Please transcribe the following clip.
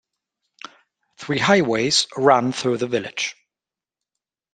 Three highways run through the village.